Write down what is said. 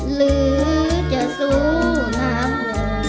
หรือจะสู้น้ำห่วง